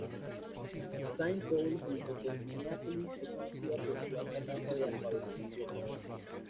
Saint Paul junto con Mineápolis, es conocida por su alta tasa de alfabetización.